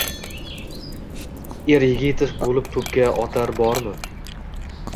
Eryigitov boʼlib toʼpga otar bormi?